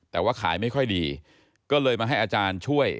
แต่ว่าขายไม่ค่อยดีก็เลยมาให้อาจารย์ช่วย